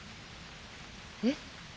えっ？